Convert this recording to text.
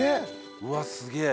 うわっすげえ！